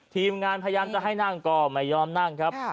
ทีมงานพยายามจะให้นั่งก็ไม่ยอมนั่งครับ